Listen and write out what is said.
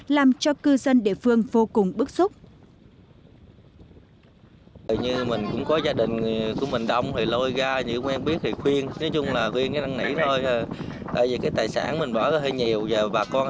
làm cho cư dân địa phương vô cùng bức xúc